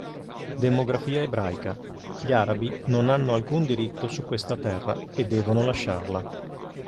Demografia ebraica: gli Arabi non hanno alcun diritto su questa terra e devono lasciarla.